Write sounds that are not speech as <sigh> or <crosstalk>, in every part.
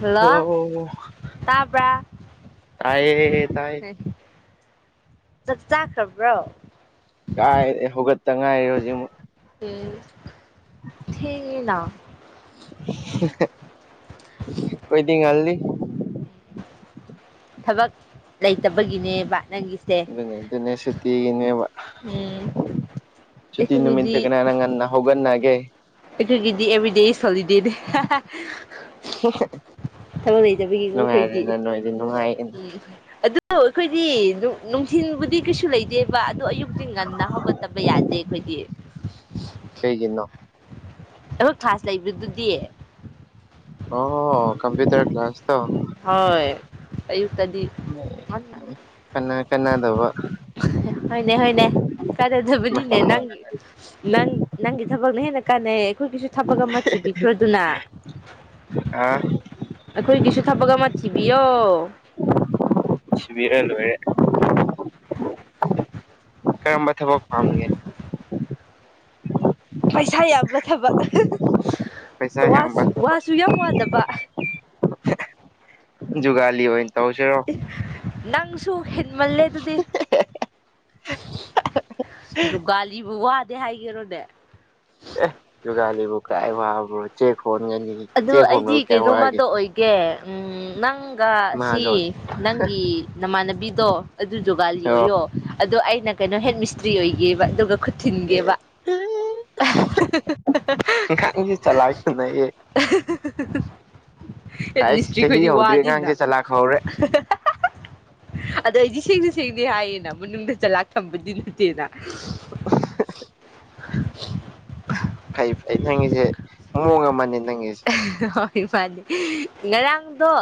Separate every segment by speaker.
Speaker 1: hello ꯇꯥꯕ꯭ꯔꯥ
Speaker 2: ꯇꯌꯦ ꯇꯥꯏ
Speaker 1: ꯆꯥꯛ ꯆꯥꯈ꯭ꯔꯕ꯭ꯔꯣ
Speaker 2: ꯀꯥꯏ ꯍꯧꯒꯠꯇ ꯉꯥꯏꯔꯦ ꯍꯧꯖꯤꯛꯃꯨꯛ
Speaker 1: ꯎꯝ ꯊꯦꯡꯉꯦ ꯂꯥꯎ
Speaker 2: ꯑꯩꯈꯣꯏꯗꯤ ꯉꯜꯂꯤ
Speaker 1: ꯊꯕꯛ ꯂꯩꯇꯕꯒꯤꯅꯦ ꯕ ꯅꯪꯒꯤ
Speaker 2: ꯑꯗꯨꯅꯦ ꯑꯗꯨꯅꯦ ꯁꯨꯇꯤꯒꯤꯅꯦꯕ
Speaker 1: ꯎꯝ
Speaker 2: ꯁꯨꯇꯤ ꯅꯨꯃꯤꯠꯇ
Speaker 1: ꯑꯩꯈꯣꯏꯒꯤꯗꯤ
Speaker 2: ꯀꯅꯥꯅ ꯉꯟꯅ ꯍꯧꯒꯟꯒꯦ
Speaker 1: ꯑꯗꯨꯒꯤꯗꯤ ꯑꯦꯕ꯭ꯔꯤꯗꯦ ꯢꯁ ꯍꯣꯂꯤꯗꯦꯅꯦ
Speaker 2: <unintelligible>
Speaker 1: ꯊꯕꯛ ꯂꯩꯇꯕꯒꯤꯀꯣ ꯑꯩꯈꯣꯏꯗꯤ
Speaker 2: ꯅꯨꯡꯉꯥꯏꯔꯦꯅ ꯅꯣꯏꯗꯤ ꯅꯨꯡꯉꯥꯏꯌꯦꯅ
Speaker 1: ꯎꯝ ꯑꯗꯨ ꯑꯗꯣ ꯑꯩꯈꯣꯏꯗꯤ ꯅꯨꯡꯊꯤꯟꯕꯨꯗꯤ ꯀꯩꯁꯨ ꯂꯩꯇꯦꯕ ꯑꯗꯣ ꯑꯌꯨꯛꯇꯤ ꯉꯟꯅ ꯍꯧꯒꯠꯇꯕ ꯌꯥꯗꯦ ꯑꯩꯈꯣꯏꯗꯤ
Speaker 2: ꯀꯩꯒꯤꯅꯣ
Speaker 1: <unintelligible> ꯂꯩꯕ꯭ꯔꯥꯗꯨꯗꯤ
Speaker 2: ꯑꯣ ꯍꯣ ꯀꯝꯄꯌꯨꯇꯔ ꯀ꯭ꯂꯥꯁ ꯇꯣ
Speaker 1: ꯍꯣꯏ ꯑꯌꯨꯛꯇꯗꯤ ꯉꯟꯅ
Speaker 2: <unintelligible> ꯀꯅꯥꯗꯕ
Speaker 1: ꯍꯣꯏꯅꯦ ꯍꯣꯏꯅꯦ ꯀꯥꯔꯗꯕꯅꯤꯅꯦ
Speaker 2: ꯃꯇꯝ
Speaker 1: ꯅꯪꯒꯤ ꯅꯪ ꯅꯪꯒꯤ ꯊꯕꯛꯅ ꯍꯦꯟꯅ ꯀꯥꯟꯅꯩꯌꯦ ꯑꯩꯈꯣꯏꯒꯤꯁꯨ ꯊꯕꯛ ꯑꯃ ꯊꯤꯕꯤꯈ꯭ꯔꯣꯗꯅ
Speaker 2: ꯈꯔ
Speaker 1: ꯑꯩꯈꯣꯏꯒꯤꯁꯨ ꯊꯕꯛ ꯑꯃ ꯊꯤꯕꯤꯌꯣ
Speaker 2: ꯊꯤꯕꯤꯔ ꯂꯣꯏꯔꯦ ꯀꯔꯝꯕ ꯊꯕꯛ ꯄꯥꯝꯒꯦ
Speaker 1: ꯄꯩꯁꯥ ꯌꯥꯝꯕ ꯊꯕꯛ
Speaker 2: ꯄꯩꯁꯥ
Speaker 1: ꯋꯥ
Speaker 2: ꯌꯥꯝꯕ ꯊꯕꯛ
Speaker 1: ꯋꯥꯁꯨ ꯌꯥꯝ ꯋꯥꯗꯕ
Speaker 2: ꯖꯨꯒꯥꯂꯤ ꯑꯣꯏ ꯇꯧꯁꯤꯔꯣ
Speaker 1: ꯅꯪꯁꯨ ꯍꯦꯟꯃꯜꯂꯦ ꯑꯗꯨꯗꯤ ꯖꯨꯒꯥꯂꯤꯕꯨ ꯋꯥꯗꯦ ꯍꯥꯏꯒꯦꯔꯣꯅꯦ
Speaker 2: ꯑꯦ ꯖꯨꯒꯥꯂꯤꯕꯨ ꯀꯥꯏ ꯋꯥꯕ꯭ꯔꯣ ꯆꯦꯛ ꯍꯣꯟꯒꯅꯤ
Speaker 1: ꯑꯗꯨ
Speaker 2: ꯆꯦꯛ
Speaker 1: ꯑꯩꯗꯤ
Speaker 2: ꯍꯣꯟꯕꯕꯨ ꯀꯌꯥ ꯋꯥꯒꯦ
Speaker 1: ꯀꯩꯅꯣꯃꯗ ꯑꯣꯏ ꯒꯦ ꯅꯪꯒ ꯁꯤ
Speaker 2: ꯃꯍꯥꯖꯣꯟ
Speaker 1: ꯅꯪꯒꯤ ꯅꯃꯥꯟꯅꯕꯤꯗꯣ ꯑꯗꯨ ꯖꯣꯒꯥꯜꯂꯤ
Speaker 2: ꯑꯣ
Speaker 1: ꯑꯣꯏꯌꯣ ꯑꯗꯣ ꯑꯩꯅ ꯀꯩꯅꯣ ꯍꯦꯠ ꯃꯤꯁꯇ꯭ꯔꯤ ꯑꯣꯏꯒꯦꯕ ꯑꯗꯨꯒ ꯈꯨꯠ ꯊꯤꯟꯒꯦꯕ
Speaker 2: ꯑꯦ ꯂꯩꯌꯦ
Speaker 1: ꯍꯦꯠ
Speaker 2: ꯍꯥꯏꯁ
Speaker 1: ꯃꯤꯁꯇ꯭ꯔꯤ
Speaker 2: ꯆꯍꯤ
Speaker 1: ꯈꯣꯏꯗꯤ
Speaker 2: ꯍꯧꯗ꯭ꯔꯤ
Speaker 1: ꯋꯥꯗꯦꯅ
Speaker 2: ꯑꯉꯥꯡꯁꯦ ꯆꯂꯥꯛ ꯍꯧꯔꯦ
Speaker 1: <unintelligible> ꯑꯗꯣ ꯑꯩꯗꯤ ꯁꯦꯡꯅ ꯁꯦꯡꯅ ꯍꯥꯏꯌꯦꯅ ꯃꯅꯨꯡꯗ ꯆꯂꯥꯛ ꯊꯝꯕꯗꯤ ꯅꯠꯇꯦꯅ
Speaker 2: <unintelligible> ꯐꯩ ꯐꯩ ꯅꯪꯒꯤꯖꯦ ꯃꯨꯑꯣꯡ ꯑꯃꯅꯦ ꯅꯪꯒꯤꯁꯦ
Speaker 1: ꯍꯣꯏ ꯃꯥꯅꯦ ꯉꯔꯥꯡꯗꯣ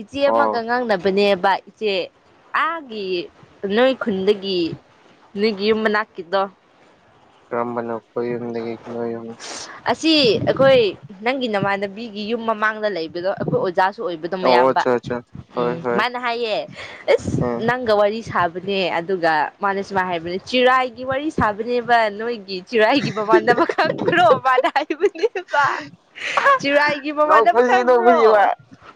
Speaker 1: ꯏꯆꯦ ꯑꯃꯒ
Speaker 2: ꯑꯣ
Speaker 1: ꯉꯥꯡꯅ ꯕꯅꯦꯕ ꯏꯆꯦ ꯑꯥꯒꯤ ꯅꯣꯏ ꯈꯨꯟꯗꯒꯤ ꯅꯣꯢꯒꯤ ꯌꯨꯝ ꯃꯅꯥꯛꯀꯤꯗꯣ
Speaker 2: ꯀꯔꯝꯕꯅꯣ ꯅꯣꯏꯒꯤ ꯅꯣꯏꯌꯨꯝ
Speaker 1: ꯑꯁꯤ ꯑꯩꯈꯣꯏ ꯅꯪꯒꯤ ꯅꯃꯥꯟꯅꯕꯤꯒꯤ ꯌꯨꯝ ꯃꯃꯥꯡꯗ ꯂꯩꯕꯗꯣ ꯑꯩꯈꯣꯏ ꯑꯣꯖꯥꯁꯨ ꯑꯣꯏꯕꯗꯣ
Speaker 2: ꯑꯣ
Speaker 1: ꯃꯌꯥꯝꯕ
Speaker 2: ꯑꯠꯆꯥ ꯑꯠꯆꯥ ꯍꯣꯏ
Speaker 1: ꯎꯝ
Speaker 2: ꯍꯣꯏ
Speaker 1: ꯃꯥꯅ ꯍꯥꯏꯌꯦ ꯢꯁ
Speaker 2: ꯎꯝ
Speaker 1: ꯅꯪꯒ ꯋꯥꯔꯤ ꯁꯥ ꯕꯅꯦ ꯑꯗꯨꯒ ꯃꯥꯅ ꯁꯨꯃꯥꯏ ꯍꯥꯏꯕꯅꯦ ꯆꯔꯥꯏꯒꯤ ꯋꯥꯔꯤ ꯁꯥꯕꯅꯦꯕ ꯅꯣꯏꯒꯤ ꯆꯤꯔꯥꯏꯒꯤ ꯅꯃꯥꯟꯅꯕ ꯈꯪꯕ꯭ꯔꯣ ꯃꯥꯅ ꯍꯥꯢꯕꯅꯦꯕ ꯆꯤꯔꯥꯏꯒꯤ ꯃꯃꯥꯟꯅꯕ
Speaker 2: ꯅꯣꯛꯄꯁꯤ
Speaker 1: ꯈꯪꯕ꯭ꯔꯣ
Speaker 2: ꯅꯣꯛꯄꯁꯤꯕ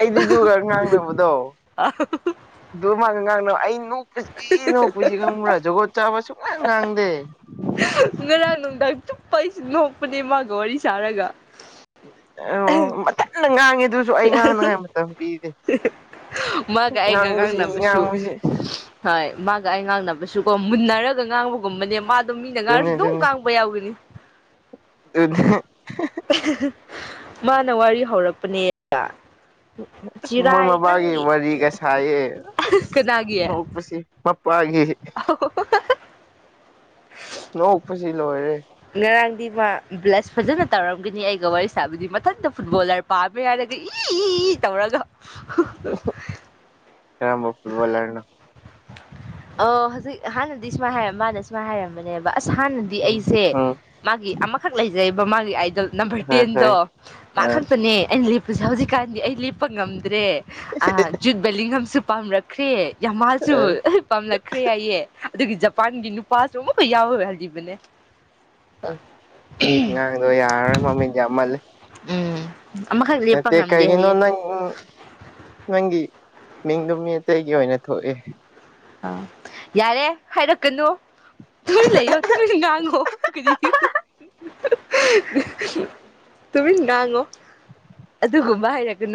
Speaker 2: ꯑꯩꯗꯤ ꯑꯗꯨꯒ ꯉꯥꯡꯅꯕꯗꯣ
Speaker 1: <unintelligible>
Speaker 2: ꯗꯨ ꯃꯥꯒ ꯉꯥꯡꯅꯕ ꯑꯩ ꯅꯣꯛꯄꯁꯤ ꯅꯣꯛꯄꯁꯤ ꯈꯪꯕ꯭ꯔꯥ ꯖꯨꯒꯣꯠ ꯆꯥꯕ ꯁꯨꯡꯉꯥꯡ ꯉꯥꯡꯗꯦ
Speaker 1: ꯉꯔꯥꯡ ꯅꯨꯡꯗꯥꯡ ꯆꯨꯞꯄ ꯑꯩꯁꯨ ꯅꯣꯛꯄꯅꯦ ꯃꯥꯒ ꯋꯥꯔꯤ ꯁꯥꯔꯒ
Speaker 2: ꯑꯣ ꯃꯊꯟꯗ ꯉꯥꯡꯉꯦ ꯑꯗꯨꯖꯨ ꯑꯩ ꯉꯥꯡꯅꯉꯥꯏ ꯃꯇꯝ ꯄꯤꯗꯦ
Speaker 1: ꯃꯥꯒ ꯑꯩꯒ
Speaker 2: ꯉꯥꯡꯕꯁꯤ
Speaker 1: ꯉꯥꯡꯅꯕꯁꯨ
Speaker 2: ꯉꯥꯡꯕꯁꯤ
Speaker 1: ꯍꯣꯏ ꯃꯥꯒ ꯑꯩ ꯉꯥꯡꯅꯕꯁꯨꯀꯣ ꯃꯨꯟꯅꯔꯒ ꯉꯥꯡꯕꯒꯨꯝꯕꯅꯦ ꯃꯥ ꯗꯣ ꯃꯤꯅ ꯉꯥꯔꯁꯨ ꯑꯗꯨꯝ ꯉꯥꯡꯕ ꯌꯥꯎꯒꯅꯤ
Speaker 2: ꯑꯗꯨ <unintelligible>
Speaker 1: ꯃꯥꯅ ꯋꯥꯔꯤ ꯍꯧꯔꯛꯄꯅꯦ
Speaker 2: ꯑꯁ ꯃꯣꯏ
Speaker 1: ꯆꯤꯔꯥꯏ
Speaker 2: ꯃꯕꯥꯒꯤ
Speaker 1: ꯅꯪꯒꯤ
Speaker 2: ꯋꯥꯔꯤꯒ ꯁꯥꯏꯌꯦ
Speaker 1: ꯀꯅꯥꯒꯤ
Speaker 2: ꯑꯁ ꯅꯣꯛꯄꯁꯤ ꯃꯄꯥꯒꯤ
Speaker 1: <unintelligible>
Speaker 2: ꯅꯣꯛꯄꯁꯤ ꯂꯣꯏꯔꯦ
Speaker 1: ꯉꯔꯥꯡꯗꯤ ꯃꯥ ꯕ꯭ꯂꯁ ꯐꯖꯅ ꯇꯧꯔꯝꯒꯅꯤ ꯑꯩꯒ ꯋꯥꯔꯤ ꯁꯥꯕꯗꯤ ꯃꯊꯟꯛꯇ ꯐꯨꯠꯕꯣꯜꯂꯔ ꯄꯥꯝꯃꯦ ꯍꯥꯏꯔꯒ ꯏ ꯏ ꯏ ꯇꯧꯔꯒ
Speaker 2: ꯀꯔꯝꯕ ꯐꯨꯠꯕꯣꯂꯔꯅꯣ
Speaker 1: ꯑ ꯍꯧꯖꯤꯛ ꯍꯥꯟꯅꯗꯤ ꯁꯨꯃꯥꯏ ꯍꯥꯏ ꯃꯥꯥꯟꯅꯁꯤ ꯁꯨꯃꯥꯏꯅ ꯍꯥꯏꯔꯝꯕꯅꯦꯕ ꯑꯁ ꯍꯥꯟꯅꯗꯤ
Speaker 2: ꯎꯝ
Speaker 1: ꯑꯩꯁꯦ
Speaker 2: ꯎꯝ
Speaker 1: ꯑꯃꯈꯛ ꯂꯩꯖꯩꯕ ꯃꯥꯒꯤ ꯑꯥꯏꯗꯜ ꯅꯝꯕꯔ
Speaker 2: ꯍꯣꯏ
Speaker 1: ꯇꯦꯟꯗꯣ
Speaker 2: ꯍꯣꯏ
Speaker 1: ꯃꯥ
Speaker 2: ꯑ
Speaker 1: ꯈꯛꯇ ꯅꯦ ꯑꯩꯅ ꯂꯦꯞꯄꯁꯦ ꯍꯧꯖꯤꯛꯀꯥꯟꯗꯤ ꯑꯩ ꯂꯦꯞꯄ ꯉꯝꯗ꯭ꯔꯦ ꯑ ꯖꯨꯠ ꯕꯦꯂꯤꯡꯍꯝꯁꯨ ꯄꯥꯝꯔꯛ ꯈ꯭ꯔꯦ ꯌꯃꯥꯜꯁꯨ ꯄꯥꯝꯂꯛꯈ꯭ꯔꯦ ꯍꯥꯏꯌꯦ ꯑꯗꯨꯒꯤ ꯖꯄꯥꯟꯒꯤ ꯅꯨꯄꯥꯁꯨ ꯑꯃꯛꯀ ꯌꯥꯎꯍꯜꯂꯤꯕꯅꯦ
Speaker 2: ꯑꯉꯥꯡꯗꯣ ꯌꯥꯔꯔꯣ ꯃꯃꯤꯠ ꯌꯥꯝꯃꯜꯂꯦ
Speaker 1: ꯎꯝ ꯑꯃꯈꯛ ꯂꯦꯞꯄ
Speaker 2: ꯅꯠꯇꯦ
Speaker 1: ꯉꯝꯗꯦ
Speaker 2: ꯀꯩꯒꯤꯅꯣ
Speaker 1: ꯍꯥꯏꯌꯦ
Speaker 2: ꯅꯪ ꯅꯪꯒꯤ ꯃꯤꯡꯗꯨ ꯃꯤ ꯑꯇꯩꯒꯤ ꯑꯣꯏꯅ ꯊꯣꯛꯑꯦ
Speaker 1: ꯑꯥ ꯌꯥꯔꯦ ꯍꯥꯏꯔꯛꯀꯅꯨ ꯇꯨꯃꯤꯟ ꯂꯩꯌꯣ ꯇꯨꯃꯤꯟ ꯉꯥꯡꯉꯣ ꯀꯔꯤ <unintelligible> ꯇꯨꯃꯤꯟ ꯉꯥꯡꯉꯣ ꯑꯗꯨꯒꯨꯝꯕ ꯍꯥꯏꯔꯛ <unintelligible>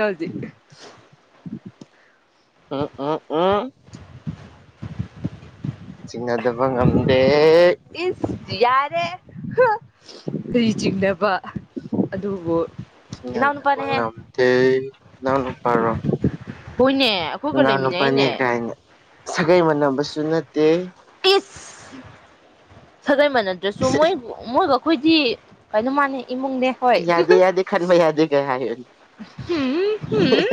Speaker 2: ꯑ ꯑ ꯑ ꯆꯤꯡꯅꯗꯕ ꯉꯝꯗꯦ
Speaker 1: ꯏꯁ ꯌꯥꯔꯦ ꯍꯨꯍ ꯀꯔꯤ ꯆꯤꯡꯅꯕ ꯑꯗꯨꯕꯨ
Speaker 2: ꯆꯤꯡꯅꯗꯕ
Speaker 1: ꯏꯅꯥꯎꯅꯨꯄꯥꯅꯦꯍꯦ
Speaker 2: ꯉꯝꯗꯦ ꯅꯅꯥꯎ ꯅꯨꯄꯥꯔꯣ
Speaker 1: ꯍꯣꯏꯅꯦ ꯑꯩꯈꯣꯏꯒ
Speaker 2: ꯏꯅꯥꯎꯅꯨꯄꯥꯅꯦ
Speaker 1: ꯂꯩꯃꯤꯟꯅꯩꯅꯦ
Speaker 2: ꯀꯥꯏꯅ ꯁꯥꯒꯩ ꯃꯥꯟꯅꯕꯁꯨ ꯅꯠꯇꯦ
Speaker 1: ꯏꯁ ꯁꯥꯒꯩ ꯃꯥꯅꯗꯔꯁꯨ ꯃꯣꯏ ꯃꯣꯏꯒ ꯑꯩꯈꯣꯏꯗꯤ ꯀꯩꯅꯣ ꯃꯥꯅꯦ ꯏꯃꯨꯡꯅꯦ ꯍꯣꯏ
Speaker 2: ꯌꯥꯗꯦ ꯌꯥꯗꯦ ꯈꯟꯕ ꯌꯥꯗꯦꯒ ꯍꯥꯏ <unintelligible>
Speaker 1: ꯍꯨꯝ ꯍꯨꯝ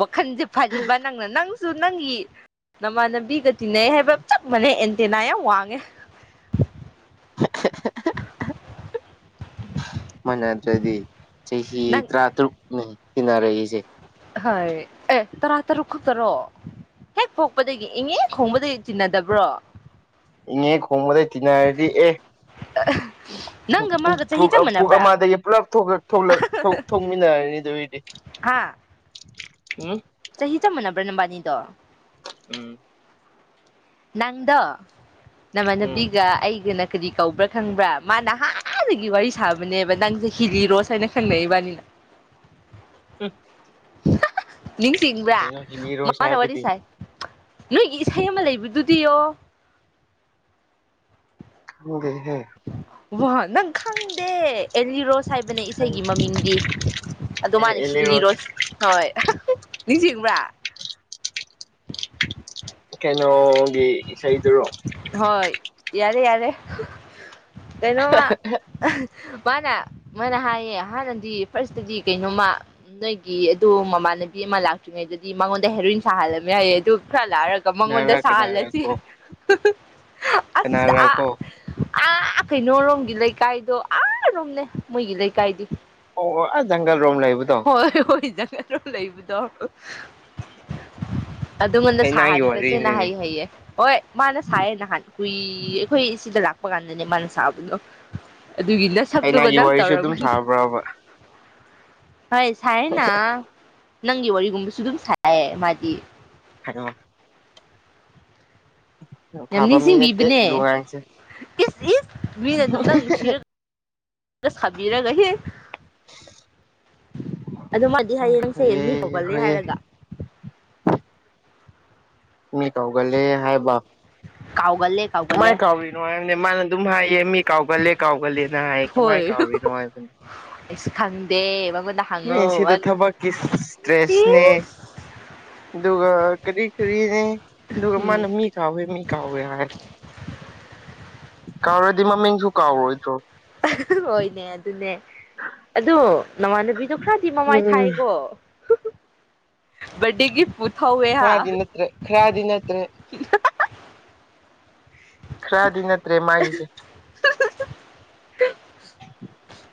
Speaker 1: ꯋꯥꯈꯟꯖꯦ ꯐꯔꯤꯕ ꯅꯪꯅ ꯅꯪ ꯁꯨ ꯅꯪꯒꯤ ꯅꯃꯥꯟꯅꯕꯤꯒ ꯇꯤꯟꯅꯩ ꯍꯥꯏꯕ ꯆꯞ ꯃꯥꯟꯅꯩ ꯑꯦꯟꯇꯦꯅꯥ ꯌꯥꯝ ꯋꯥꯡꯉꯦ
Speaker 2: <unintelligible> ꯃꯥꯅꯗ꯭ꯔꯗꯤ ꯆꯍꯤ
Speaker 1: ꯅꯪ
Speaker 2: ꯇ꯭ꯔꯥꯇ꯭ꯔꯨꯛꯅꯦ ꯇꯤꯟꯅꯔꯛꯏꯁꯦ
Speaker 1: ꯍꯥꯏ ꯑꯦ ꯇꯔꯥ ꯇꯔꯨꯛ ꯈꯛꯇꯔꯣ ꯍꯦꯛ ꯄꯣꯛꯄꯗꯒꯤ ꯏꯪꯉꯦ ꯈꯣꯡꯕꯗꯒꯤ ꯇꯤꯟꯅꯗꯕ꯭ꯔꯣ
Speaker 2: ꯏꯉꯦ ꯈꯣꯡꯕꯗꯒꯤ ꯇꯤꯟꯅꯔꯗꯤ ꯑꯦ ꯄꯨꯛ
Speaker 1: ꯅꯪꯒ ꯃꯥꯒ ꯆꯍꯤ
Speaker 2: ꯄꯨꯛ
Speaker 1: ꯆꯞ
Speaker 2: ꯑ ꯄꯨꯛ
Speaker 1: ꯃꯥꯟꯅꯕ꯭ꯔꯥ
Speaker 2: ꯑꯃꯗꯒꯤ ꯄꯨꯂꯞ ꯊꯣꯛꯂꯛ ꯊꯣꯛꯂꯛ ꯊꯣꯛ ꯊꯣꯛ ꯃꯤꯟꯅꯔꯅꯤ ꯗꯨꯏꯗꯤ
Speaker 1: ꯍꯥꯥ
Speaker 2: ꯎꯪ
Speaker 1: ꯆꯍꯤ ꯆꯞ ꯃꯥꯟꯅꯕ꯭ꯔꯥ ꯅꯕꯥꯅꯤꯗꯣ
Speaker 2: ꯎꯝ
Speaker 1: ꯅꯪꯗꯣ
Speaker 2: ꯎꯝ
Speaker 1: ꯅꯃꯥꯟꯅꯕꯤꯒ ꯑꯩꯒꯅ ꯀꯔꯤ ꯀꯧꯕ꯭ꯔꯥ ꯈꯪꯕ꯭ꯔꯥ ꯃꯥ ꯅꯍꯥꯟꯅꯗꯒꯤ ꯋꯥꯔꯤ ꯁꯥꯕꯅꯦꯕ ꯅꯪꯁꯦ ꯍꯤꯔꯤꯔꯣꯁ ꯍꯥꯏꯅ ꯈꯪꯅꯩ ꯏꯕꯥꯅꯤꯅ
Speaker 2: ꯎꯝ
Speaker 1: ꯅꯤꯡꯁꯤꯡꯕ꯭ꯔꯥ
Speaker 2: ꯀꯩꯅꯣ ꯍꯤꯂꯤꯔꯣꯁ
Speaker 1: ꯃꯥꯅ ꯋꯥꯔꯤ
Speaker 2: ꯍꯥꯏꯕꯗꯤ
Speaker 1: ꯁꯥꯏ ꯅꯣꯏꯒꯤ ꯏꯁꯩ ꯑꯃ ꯂꯩꯕꯗꯨꯗꯤ ꯌꯣ
Speaker 2: ꯈꯪꯗꯦꯍꯦ
Speaker 1: ꯋꯥ ꯅꯪ ꯈꯪꯗꯦ ꯑꯦꯂꯤꯔꯣꯁ ꯍꯥꯏꯕꯅꯦ ꯏꯁꯩꯒꯤ ꯃꯃꯤꯡꯗꯤ ꯑꯗꯨ
Speaker 2: ꯑꯦ
Speaker 1: ꯃꯥꯅ ꯁꯤꯗ
Speaker 2: ꯑꯦꯂꯤꯔꯣꯁ
Speaker 1: ꯏꯔꯣꯁ ꯍꯣꯏ ꯅꯤꯡꯁꯤꯡꯕ꯭ꯔꯥ
Speaker 2: ꯀꯩꯅꯣꯒꯤ ꯏꯁꯩꯗꯨꯔꯣ
Speaker 1: ꯍꯣꯏ ꯌꯥꯔꯦ ꯌꯥꯔꯦ ꯀꯩꯅꯣꯝꯃ ꯃꯥꯅ ꯃꯥꯅ ꯍꯥꯏꯌꯦ ꯍꯥꯟꯅꯗꯤ ꯐꯥꯔꯁꯇꯗꯤ ꯀꯩꯅꯣꯝꯃ ꯅꯣꯏꯒꯤ ꯑꯗꯨ ꯃꯃꯥꯟꯅꯕꯤ ꯑꯃ ꯂꯥꯛꯇ꯭ꯔꯤꯉꯩꯗꯗꯤ ꯃꯉꯣꯟꯗ ꯍꯦꯔꯣꯏꯟ ꯁꯥꯍꯜꯂꯝꯃꯦ ꯌꯥꯏꯌꯦ ꯑꯗꯨ ꯈꯔ ꯂꯥꯛꯑꯒ ꯑꯗꯨ ꯃꯉꯣꯟꯗ
Speaker 2: ꯀꯅꯥꯔ
Speaker 1: ꯁꯥꯍꯜꯂꯁꯤ
Speaker 2: ꯀꯅꯥꯔꯀꯣ
Speaker 1: ꯑꯁ ꯑꯥ
Speaker 2: ꯀꯅꯥꯔꯀꯣ
Speaker 1: ꯑꯥ ꯀꯩꯅꯣꯔꯣꯝꯒꯤ ꯂꯩꯀꯥꯏꯗꯣ ꯑꯥꯔꯣꯝꯅꯦ ꯃꯣꯏꯒꯤ ꯂꯩꯀꯥꯏꯗꯤ
Speaker 2: ꯑꯣ ꯑꯣ ꯑꯥ ꯖꯪꯒꯜ ꯔꯣꯝ ꯂꯩꯕꯗꯣ
Speaker 1: ꯍꯣꯏ ꯍꫭꯏꯖ ꯀꯩꯅꯣ ꯂꯩꯕꯗꫭ ꯑꯗꯨꯉꯣꯟꯗ
Speaker 2: ꯀꯩꯅꯥꯒꯤ
Speaker 1: ꯁꯥꯍꯟꯈ꯭ꯔꯁꯦꯅ ꯍꯥꯏ
Speaker 2: ꯋꯥꯔꯤꯅꯤꯅꯦ
Speaker 1: ꯍꯥꯏꯌꯦ ꯍꯣꯏ ꯃꯥꯅ ꯁꯥꯏꯌꯦ ꯅꯍꯥꯟ ꯀꯨꯏ ꯑꯩꯈꯣꯏ ꯁꯤꯗ ꯂꯥꯛꯄ ꯀꯥꯟꯗꯅꯦ ꯃꯥꯅ ꯁꯥꯕꯗꯣ ꯑꯗꯨꯒꯤ ꯅꯁꯛꯇꯨꯒ
Speaker 2: ꯀꯩꯅꯥꯒꯤ
Speaker 1: ꯅꯪ
Speaker 2: ꯋꯥꯔꯤꯁꯨ ꯑꯗꯨꯝ
Speaker 1: ꯇꯧꯔꯝꯒꯅꯤ
Speaker 2: ꯁꯥꯕ꯭ꯔꯕ
Speaker 1: ꯍꯣꯏ ꯁꯥꯏꯅ ꯅꯪꯒꯤ ꯋꯥꯔꯤꯒꯨꯝꯕꯁꯨ ꯑꯗꯨꯝ ꯁꯥꯏ ꯃꯥꯗꯤ
Speaker 2: ꯍꯜꯂꫭ
Speaker 1: ꯌꯥꯝ
Speaker 2: ꯐꯕ ꯃꯤ ꯅꯠꯇꯦ
Speaker 1: ꯅꯤꯡꯁꯤꯡꯕꯤꯕꯅꯦ
Speaker 2: ꯗꯨꯉꯥꯡꯁꯦ
Speaker 1: ꯏꯁ ꯏꯁ ꯃꯤꯅ ꯑꯗꯨꯝ ꯅꯪ ꯅꯨꯡꯁꯤꯔꯒ ꯇ ꯈꯝꯕꯤꯔ ꯍꯤ ꯑꯗꯨꯃꯥꯗꯤ ꯍꯌꯦꯡꯁꯌꯦꯡ
Speaker 2: ꯍꯣꯏꯌꯦ
Speaker 1: ꯃꯤ ꯍꯧꯒꯠꯂꯦ
Speaker 2: ꯍꯣꯏꯌꯦ
Speaker 1: ꯍꯥꯏꯔꯒ
Speaker 2: ꯃꯤ ꯀꯧꯒꯜꯂꯦ ꯍꯥꯏꯕ
Speaker 1: ꯀꯥꯎꯒꯜꯂꯦ ꯀꯥꯎꯒꯜꯂꯦ
Speaker 2: ꯃꯥꯏ ꯀꯥꯎ ꯅꯨꯡꯉꯥꯏꯕꯅꯦ ꯃꯥꯅ ꯑꯗꯨꯝ ꯍꯥꯏꯌꯦ ꯃꯤ ꯀꯥꯎꯒꯜꯂꯦ ꯀꯥꯎꯒꯜꯂꯦꯅ ꯍꯥꯏꯌꯦ
Speaker 1: ꯍꯣꯏ
Speaker 2: ꯀꯃꯥꯏꯅ ꯀꯥꯎꯔꯤꯅꯣ ꯍꯥꯏꯕꯅꯦ
Speaker 1: ꯑꯩꯁꯨ ꯈꯪꯗꯦ ꯃꯃꯨꯛꯅ
Speaker 2: ꯃꯤ ꯁꯤꯗ ꯊꯕꯀꯤ ꯏꯁꯇ꯭ꯔꯦꯁꯅꯦ
Speaker 1: ꯏꯁ
Speaker 2: ꯑꯗꯨꯒ ꯀꯔꯤ ꯀꯔꯤꯅꯦ ꯑꯗꯨꯒ
Speaker 1: ꯎꯝ
Speaker 2: ꯃꯥꯅꯃꯤ ꯀꯥꯎꯋꯦ ꯃꯤ ꯀꯥꯎꯋꯦ ꯍꯥꯏ ꯀꯥꯎꯔꯗꯤ ꯃꯃꯤꯡꯁꯨ ꯀꯥꯎꯔꯣꯏꯗ꯭ꯔꯣ
Speaker 1: ꯍꯣꯏꯅꯦ ꯑꯗꯨꯅꯦ ꯑꯗꯨ ꯅꯃꯥꯟꯅꯕꯤꯗꯨ ꯈꯔꯗꯤ ꯃꯃꯥꯏ
Speaker 2: ꯎꯝ
Speaker 1: ꯊꯥꯏꯀꯣ ꯕꯔꯗꯦ ꯒꯤꯐ ꯄꯨꯨꯊꯧꯋꯦ ꯍꯥ
Speaker 2: ꯊꯤꯔꯥꯏꯗꯤ ꯅꯠꯇ꯭ꯔꯦ
Speaker 1: <unintelligible>
Speaker 2: ꯈꯔꯗꯤ ꯅꯠꯇ꯭ꯔꯦ ꯃꯥꯒꯤꯁꯦ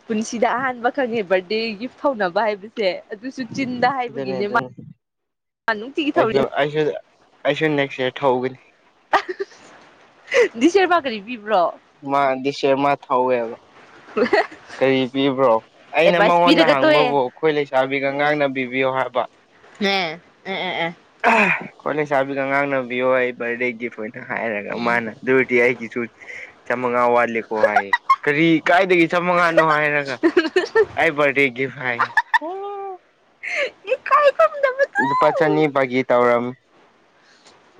Speaker 1: ꯄꯨꯟꯁꯤꯗ ꯑꯍꯥꯟꯕ ꯈꯪꯉꯦ ꯕꯥꯔꯗꯦꯒꯤ ꯐꯥꯎꯅꯕ ꯍꯥꯏꯕ ꯁꯦ ꯑꯗꯨꯁꯨ ꯆꯤꯟꯗ
Speaker 2: ꯑꯗꯨꯅꯦ
Speaker 1: ꯍꯥꯏꯕꯒꯤꯅꯦ ꯃꯥ
Speaker 2: ꯑꯗꯨꯅꯦ
Speaker 1: ꯅꯨꯡꯇꯤꯒꯤ ꯊꯧꯔꯤ
Speaker 2: ꯑꯩꯁꯨ ꯑꯩꯁꯨ ꯑꯩꯁꯨ ꯅꯦꯛꯁ ꯏꯔ ꯊꯧꯒꯅꯤ
Speaker 1: ꯗꯤꯁ ꯏꯔ ꯃꯥ ꯀꯔꯤ ꯄꯤꯕ꯭ꯔꯣ
Speaker 2: ꯃꯥ ꯗꯤꯁ ꯏꯔ ꯃꯥ ꯊꯧꯋꯦꯕ
Speaker 1: <unintelligible>
Speaker 2: ꯀꯔꯤ ꯄꯤꯕ꯭ꯔꯣ ꯑꯩꯅ
Speaker 1: ꯑꯦꯗꯚꯥꯏꯁ
Speaker 2: ꯃꯉꯣꯟꯗ
Speaker 1: ꯄꯤꯔꯒ ꯇꯣꯛꯑꯦ
Speaker 2: ꯍꯪꯕꯕꯨ ꯑꯩꯈꯣꯏ ꯂꯩꯁꯥꯕꯤꯒ ꯉꯥꯡꯅꯕꯤꯕꯤꯌꯣ ꯍꯥꯏꯕ
Speaker 1: ꯑꯦ ꯑꯦ ꯑꯦ ꯑꯦ
Speaker 2: ꯑꯩꯈꫭꯏ ꯂꯩꯁꯥꯕꯤꯗ ꯉꯥꯡꯅꯕꯤꯌꯨ ꯑꯩ ꯕꯥꯔꯗꯦ ꯒꯤꯐ ꯑꯣꯏꯅ ꯍꯥꯏꯔꯒ
Speaker 1: ꯎꯝ
Speaker 2: ꯃꯥꯅ ꯗꯨꯒꯤ ꯑꯩꯒꯤꯁꯨ ꯆꯝꯃꯪꯉꯥ ꯋꯥꯠꯂꯤꯀꯣ ꯍꯥꯏ ꯀꯔꯤ ꯀꯥꯏꯗꯒꯤ ꯃꯪꯉꯥ ꯅꯨꯡꯉꯥꯏꯔꯒ ꯑꯩ ꯕꯥꯔꯗꯦ ꯒꯤꯐ ꯍꯥꯏꯌꯦ
Speaker 1: ꯏꯀꯥꯏ ꯈꯪꯗꯕ
Speaker 2: ꯂꯨꯄꯥ ꯆꯅꯤ ꯕꯒꯤ ꯇꯧꯔꯝ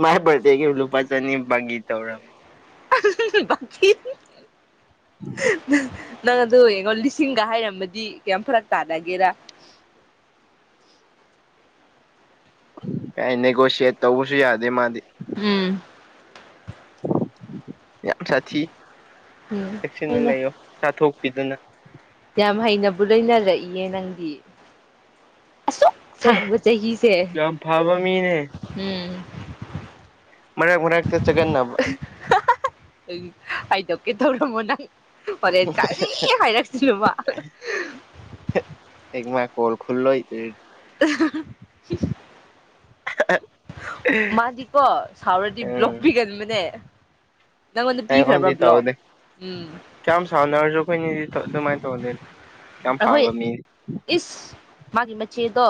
Speaker 2: ꯃꯥꯥꯏ ꯕꯥꯔꯗꯦꯒꯤ ꯂꯨꯄꯥ ꯆꯅꯤ ꯕꯒꯤ ꯇꯧꯔꯝ
Speaker 1: <unintelligible> ꯅꯪ ꯑꯗꯨ ꯌꯦꯡꯉꯣ ꯂꯤꯁꯤꯡꯒ ꯍꯥꯏꯔꯝꯃꯗꯤ ꯀꯥꯝ ꯐꯔꯛ ꯇꯥꯟꯅꯒꯦꯔꯥ
Speaker 2: ꯀ ꯅꯦꯒꯣꯁꯤꯌꯦꯠ ꯇꯧꯕꯁꯨ ꯌꯥꯗꯦ ꯃꯥꯗꯤ
Speaker 1: ꯎꯝ
Speaker 2: ꯌꯥꯝ ꯁꯥꯊꯤ
Speaker 1: ꯎꯝ
Speaker 2: ꯆꯦꯛꯁꯤꯟꯅ ꯂꯩꯌꯣ ꯆꯥꯊꯣꯛꯄꯤꯗꯨꯅ
Speaker 1: ꯌꯥꯝ ꯍꯩꯅꯕꯨ ꯂꯣꯏꯅꯔꯛꯏꯌꯦ ꯅꯪꯗꯤ ꯁꯥꯡꯕ ꯆꯍꯤꯁꯦ
Speaker 2: ꯌꯥꯝ ꯐꯕ ꯃꯤꯅꯦ
Speaker 1: ꯎꯝ
Speaker 2: ꯃꯅꯥ ꯃꯅꯥꯛꯇ ꯆꯖꯒꯟꯅꯕ
Speaker 1: ꯍꯥꯏꯗꯧꯀꯦ ꯇꯧꯔꯝꯃꯣ ꯅꯪ ꯍꯅꯦ ꯀꯔꯤ ꯈꯥꯏ ꯂꯥꯛꯁꯤ ꯃꯥ
Speaker 2: ꯑꯦ ꯃꯥ ꯀꯣꯜ ꯈꯨꯜꯂꯣ
Speaker 1: ꯃꯥꯗꯤ ꯀꯣ ꯁꯥꯎꯔꯗꯤ ꯕ꯭ꯂꯣꯛ
Speaker 2: ꯎꯝ
Speaker 1: ꯄꯤꯒꯅꯕꯥꯅꯦ ꯅꯪꯉꯣꯟꯗ ꯄꯤꯈ꯭ꯔꯕ꯭ꯔ
Speaker 2: ꯑꯩꯉꯣꯟꯗꯤ
Speaker 1: ꯕ꯭ꯂꯣ
Speaker 2: ꯇꯧꯗꯦ
Speaker 1: ꯎꯝ
Speaker 2: ꯀꯌꯥꯝ ꯁꯥꯎꯅꯔꯁꯨ ꯑꯩꯈꯣꯏꯅꯤꯗꯤ ꯑꯗꯨꯃꯥꯏꯅ ꯇꯧꯅꯦ
Speaker 1: ꯑꯍꯣꯏ ꯏꯁ ꯃꯥꯒꯤ ꯃꯆꯦꯗꯣ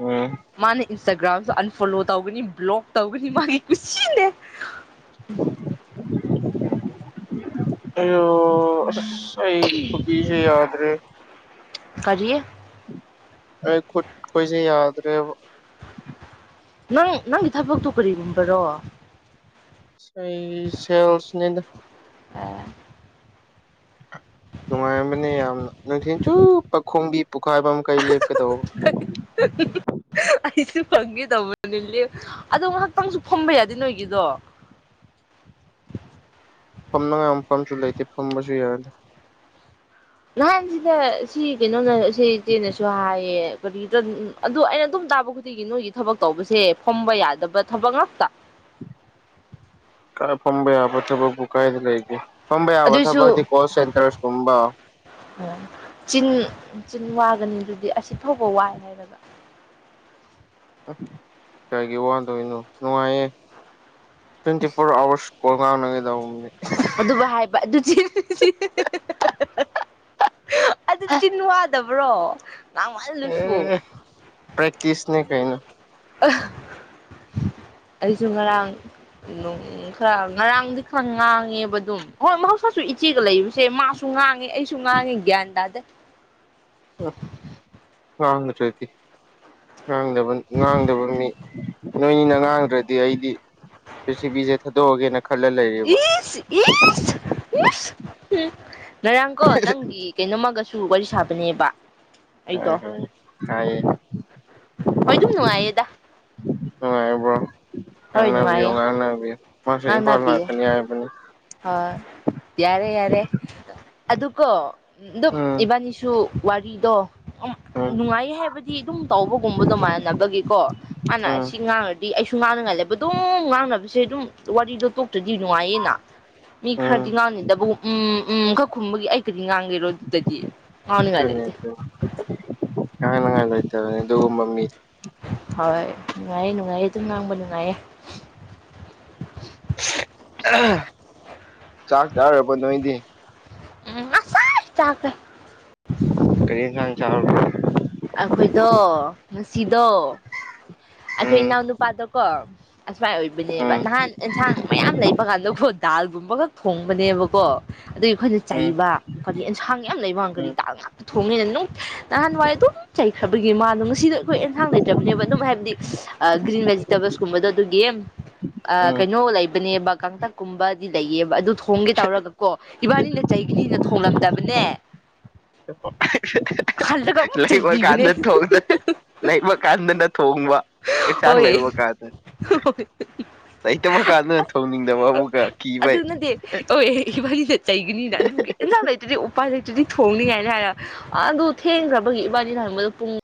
Speaker 2: ꯎꯝ
Speaker 1: ꯃꯥꯅ ꯏꯟꯁꯇꯥꯒ꯭ꯔꯥꯝꯁꯨ ꯑꯟꯐꯣꯂꯣ ꯇꯧꯒꯅꯤ ꯕ꯭ꯂꯣꯛ ꯇꯧꯒꯅꯤ ꯃꯥꯒꯤ ꯀꯨꯁꯤꯅꯦ
Speaker 2: <inaudible> ꯑꯁ ꯑꯩ ꯈꯨꯕꯤꯁꯦ ꯌꯥꯗ꯭ꯔꯦ
Speaker 1: ꯀꯔꯤꯦ
Speaker 2: ꯑꯩ ꯈꯨꯠꯈꯣꯏꯁꯦ ꯌꯥꯗ꯭ꯔꯦꯕ
Speaker 1: ꯅꯪ ꯅꯪꯒꯤ ꯊꯕꯛꯇꯨ ꯀꯔꯤꯒꯨꯝꯕꯔꯣ
Speaker 2: ꯑꯩ ꯁꯦꯜꯁꯅꯤꯗ
Speaker 1: ꯑꯦ
Speaker 2: ꯅꯨꯡꯉꯥꯏꯕꯅꯦ ꯌꯥꯝꯅ ꯅꯨꯡꯊꯤꯟ ꯆꯨꯄꯥ ꯈꯣꯡꯕꯤ ꯄꯨꯈꯥꯏꯕ ꯃꯥꯈꯩ ꯂꯦꯞꯀꯗꯧꯕ
Speaker 1: <unintelligible> ꯑꯩꯁꯨ ꯐꯪꯒꯦ ꯇꯧꯕꯅꯦ ꯂꯞ ꯑꯗꯣ ꯉꯥꯏꯍꯥꯛꯇꯪꯁꯨ ꯐꯝꯕ ꯌꯥꯗꯦ ꯅꯣꯏꯒꯤꯗꯣ
Speaker 2: ꯐꯝꯅꯉꯥꯏ ꯑꯃ ꯐꯝꯁꯨ ꯂꯩꯇꯦ ꯐꯝꯕꯁꯨ ꯌꯥꯗꯦ
Speaker 1: ꯅꯍꯥꯟ ꯁꯤꯗ ꯁꯤ ꯀꯩꯅꯣꯅ ꯏꯦ ꯏꯆꯦꯅꯁꯨ ꯍꯥꯏꯌꯦ ꯀꯔꯤ ꯑꯗꯨ ꯑꯩꯅ ꯑꯗꯨꯝ ꯇꯥꯕ ꯁꯤꯒꯤ ꯅꯣꯏꯒꯤ ꯊꯕꯛ ꯇꯧꯕꯁꯦ ꯐꯝꯕ ꯌꯥꯗꯕ ꯊꯕꯛ ꯉꯥꯛꯇ
Speaker 2: ꯐꯝꯕ ꯌꯥꯕ ꯊꯕꯛꯄꯨ ꯀꯥꯏꯗ ꯂꯩꯒꯦ ꯐꯝꯕ ꯌꯥꯕ ꯊꯕꯛꯇꯤ ꯀꯣꯜ ꯁꯦꯟꯇꯔꯁꯀꯨꯝꯕ
Speaker 1: ꯎ ꯆꯤꯟ - ꯆꯤꯟ ꯋꯥꯒꯅꯤ ꯑꯗꯨꯗꯤ ꯑꯁꯤ ꯐꯥꯎꯕ ꯋꯥꯏ ꯍꯥꯏꯕꯒ
Speaker 2: ꯎ ꯀꯥꯏꯒꯤ ꯋꯥꯟꯗꯣꯏꯅꯣ ꯅꯨꯡꯉꯥꯏꯌꯦ ꯇ꯭ꯋꯦꯟꯇꯤ ꯐꯣꯔ ꯑꯋꯥꯔꯁ ꯀꯜꯥꯎꯅꯉꯗꯅꯤ
Speaker 1: ꯑꯗꯨꯕꯨ ꯍꯥꯏꯕ ꯑꯗꯨ ꯑꯗꯨ ꯆ ꯇꯕ꯭ꯔꯣ ꯉꯥꯡ ꯋꯥꯜꯍꯜꯂꯨꯁꯨ
Speaker 2: ꯄꯦꯦꯛꯛꯇꯤꯁꯅꯦ ꯀꯩꯅꯣ
Speaker 1: ꯑꯩꯁꯨ ꯉꯔꯥꯡꯣꯡ ꯈꯔ ꯉꯔꯥꯡꯗꯤ ꯈꯔ ꯉꯥꯡꯉꯦꯕ ꯑꯗꯨꯝ ꯍꯣꯏ ꯃꯍꯧꯁꯥꯁꯨ ꯏꯆꯦꯒ ꯂꯩꯕꯁꯦ ꯃꯥ ꯁꯁꯨ ꯉꯥꯡꯉꯦ ꯑꯩꯁꯨ ꯉꯥꯡꯉꯦ ꯒ꯭ꯌꯥꯟ ꯇꯥꯗ
Speaker 2: ꯍ ꯆꯦꯗꯤ ꯉꯥꯡꯗꯕ ꯉꯥꯡꯗꯕ ꯃꯤ ꯅꯣꯏꯅꯤꯅ ꯉꯥꯡꯗ꯭ꯔꯗꯤ ꯑꯩꯗꯤ ꯄ꯭ꯔꯤꯊꯤꯕꯤꯁꯦ ꯊꯥꯗꯣꯛꯑꯒꯦꯅ ꯈꯜꯂ ꯂꯩꯔꯦꯕ
Speaker 1: ꯏꯁ ꯎ ꯅꯣꯏꯔꯥꯡ ꯀꯣ ꯅꯪꯒꯤ ꯀꯩꯅꯣꯝꯃꯒꯁꯨ ꯇ ꯋꯥꯔꯤ ꯁꯥꯕꯅꯦꯕ ꯑꯩꯗꯣ
Speaker 2: ꯍꯣꯏ ꯍꯣꯏ ꯍꯥꯏꯌꯦ
Speaker 1: ꯍꯣꯏ ꯑꯗꯨꯝ ꯅꯨꯡꯉꯥꯏꯌꯦꯗ
Speaker 2: ꯅꯨꯡꯉꯥꯏꯕ꯭ꯔꯣ
Speaker 1: ꯍꯣꯏ
Speaker 2: ꯉꯥꯡꯅꯕꯤꯌꯨ
Speaker 1: ꯅꯨꯡꯉꯥꯏꯌꯦ
Speaker 2: ꯉꯥꯡꯅꯕꯤꯌꯨ ꯃꯥꯁꯨ ꯏꯝꯐꯥꯜ ꯂꯥꯛꯀꯅꯤ ꯍꯥꯏꯕꯅꯤ
Speaker 1: ꯑ ꯌꯥꯔꯦ ꯌꯥꯔꯦ ꯑꯗꯨꯒꯀꯣ ꯑꯗꯨꯝ
Speaker 2: ꯎꯝ
Speaker 1: ꯏꯕꯥꯅꯤꯁꯨ ꯋꯥꯔꯤꯗꯣ ꯎ
Speaker 2: ꯎꯝ
Speaker 1: ꯅꯨꯡꯉꯥꯏ ꯍꯥꯏꯕꯗꯤ ꯑꯗꯨꯝ ꯇꯧꯕꯒꯨꯝꯕꯗꯣ ꯃꯥꯟꯅꯅꯕꯒꯤꯀꯣ ꯃꯥꯅ
Speaker 2: ꯎꯝ
Speaker 1: ꯑꯁꯤ ꯉꯥꯡꯉꯗꯤ ꯑꯩ ꯑꯩꯁꯨ ꯉꯥꯡꯅ ꯉꯜꯂꯦꯕ ꯑꯗꯨꯝ ꯉꯥꯡꯅꯕꯁꯦ ꯑꯗꯨꯝ ꯋꯥꯔꯤꯗꯣ ꯇꯣꯛ ꯇꯨꯗꯤ ꯅꯨꯡꯉꯥꯏꯌꯦꯅ ꯃꯤ
Speaker 2: ꯎꯝ
Speaker 1: ꯈꯔꯗꯤ ꯉꯥꯡꯅꯗꯕ ꯎꯝ ꯎꯝ ꯈꯛ ꯈꯨꯝꯕꯒꯤ ꯑꯩ ꯀ ꯉꯥꯡꯒꯔꯣ ꯑꯗꯨꯗꯗꯤ ꯍꯥꯎꯅꯤꯒꯂ ꯂꯩꯦ
Speaker 2: ꯑꯪꯥꯏꯕ ꯑꯗꯨ ꯃꯃꯤ
Speaker 1: ꯍꯣꯏ ꯅꯨꯡꯉꯥꯏꯌꯦ ꯅꯨꯡꯉꯥꯏꯌꯦ ꯑꯗꯨꯝ ꯉꯥꯡꯕ ꯅꯨꯡꯉꯥꯏꯌꯦ
Speaker 2: ꯆꯥꯛ ꯆꯥꯔꯕ ꯅꯣꯏꯗꯤ
Speaker 1: ꯎꯝ ꯑꯁ ꯆꯀ
Speaker 2: ꯀꯔꯤꯝ ꯈꯥꯟ ꯆ
Speaker 1: ꯑꯩꯈꯣꯏꯗꯣ ꯉꯁꯤꯗꯣ ꯑꯩꯈꯣꯏ
Speaker 2: ꯎꯝ
Speaker 1: ꯏꯅꯥꯎꯅꯨꯄꯥꯗꯀꯣ ꯑꯁꯨꯃꯥꯏꯅ ꯑꯣꯏꯕꯅꯦꯕ
Speaker 2: ꯎꯝ
Speaker 1: ꯅꯍꯥꯟ ꯑꯦꯟꯁꯥꯡ ꯃꯌꯥꯝ ꯂꯩꯕ ꯀꯥꯟꯗꯀꯣ ꯗꯥꯜꯒꯨꯝꯕ ꯈꯛ ꯊꯣꯡꯕꯅꯦꯕꯀꯣ ꯑꯗꯨꯒꯤ ꯑꯩꯈꯣꯏꯅ
Speaker 2: ꯎꯝ
Speaker 1: ꯆꯩꯕ ꯀꯔꯤ ꯑꯦꯟꯁꯥꯡ ꯌꯥꯝ ꯂꯩꯕ ꯀꯗꯤ
Speaker 2: ꯎꯝ
Speaker 1: ꯗꯥꯛ ꯉꯥꯛꯇ ꯊꯣꯡꯉꯦꯅ ꯅꯅꯨꯡ ꯅꯍꯥꯟꯋꯥꯏ ꯑꯗꯨꯝ ꯆꯩꯈ꯭ꯔꯕꯒꯤ ꯃꯥꯗꯣ ꯉꯁꯤꯗꯣ ꯑꯩꯈꯣꯏ ꯑꯦꯟꯁꯥꯡ ꯂꯩꯇ꯭ꯔꯕꯅꯦꯕ ꯑꯗꯨꯝ ꯍꯥꯏꯕꯗꯤ ꯒ꯭ꯔꯤꯟ ꯚꯦꯖꯤꯇꯦꯕꯜꯁꯀꯨꯝꯕꯗꯣ ꯑꯗꯨꯒꯤ
Speaker 2: ꯎꯝ
Speaker 1: ꯀꯩꯅꯣ ꯂꯩꯕꯅꯦꯕ ꯀꯥꯡꯇꯛꯀꯨꯝꯕ ꯗꯤ ꯂꯩꯌꯦꯕ ꯑꯗꯨ ꯊꯣꯡꯒꯦ ꯇꯧꯔꯒ ꯀꯣ ꯏꯕꯥꯅꯤꯅ ꯆꯍꯤꯒꯤꯅꯤꯅ ꯊꯣꯡꯂꯂꯝꯗꯕꯅꯦ ꯍꯜꯗ ꯀ
Speaker 2: ꯂꯩꯕ ꯀꯥꯟꯗ ꯊꯣꯡꯖꯩ ꯂꯩꯕ ꯀꯥꯟꯗꯅ ꯊꯣꯡꯕ ꯆꯥꯡꯂ
Speaker 1: ꯍꯣꯏ
Speaker 2: ꯏ ꯃ ꯀꯥꯏꯗ ꯂꯩꯇꯕ ꯀꯥꯟꯗꯨꯅ ꯊꯣꯡꯅꯤꯡꯗꯕ ꯑꯃꯛꯀ ꯀꯤꯕꯩ
Speaker 1: ꯍ ꯑꯦ ꯏꯕꯥꯅꯤꯗ ꯆꯩꯒꯅꯤꯅ ꯑꯗꯨꯒꯤ ꯏꯟꯖ ꯂꯩꯇꯗꯤ ꯎꯄꯥ ꯂꯩꯇꯗꯤ ꯊꯣꯡꯅꯤꯉꯥꯏꯅ ꯍꯥꯏꯔ ꯑꯗꯨ ꯊꯦꯡꯈ꯭ꯔꯕꯒꯤ ꯏꯕꯥꯅꯤꯅ ꯍꯥꯏꯪꯕꯗ ꯄꯨꯡ